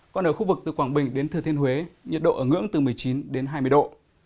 còn ở khu vực từ quảng bình đến thừa thiên huế nhiệt độ ở ngưỡng từ một mươi chín đến hai mươi độ